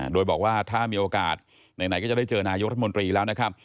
โดยบอกว่าถ้ามีโอกาสไหนก็จะได้เจอนายกรัฐมนตรีแล้วนะครับ